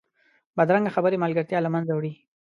بدرنګه خبرې ملګرتیا له منځه وړي